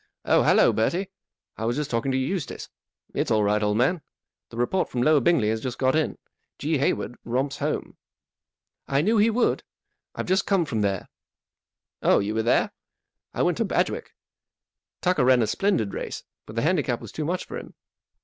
" Oh, hallo, Bertie ; I was just talking to Eustace. It's all right, old man. The report from Lower Bingley has just got in. G. Hayward romps home." 41 I knew he would. I've just come from there." 44 Oh, were you there ? I went to Badg wick. Tucker ran a splendid race, but the handicap was too much for him.